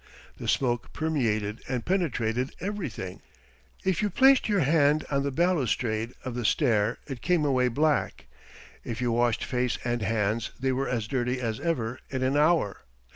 The smoke permeated and penetrated everything. If you placed your hand on the balustrade of the stair it came away black; if you washed face and hands they were as dirty as ever in an hour.